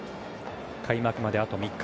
開幕まであと３日。